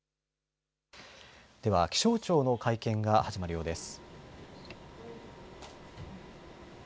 では気象庁の会見が始まるようです。